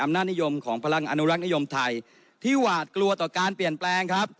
น่านิยมของพลังอนุรักษ์นิยมไทยที่หวาดกลัวต่อการเปลี่ยนแปลงครับ